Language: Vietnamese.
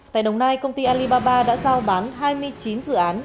tại đồng nai công ty alibaba đã giao bán hai mươi chín dự án